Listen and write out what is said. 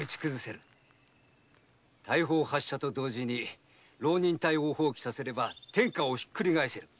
砲撃と同時に浪人隊を蜂起させれば天下をひっくり返せる。